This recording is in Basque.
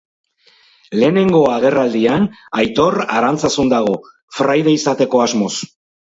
Lehenengo agerraldian Aitor Arantzazun dago, fraide izateko asmoz.